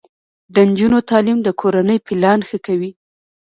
د نجونو تعلیم د کورنۍ پلان ښه کوي.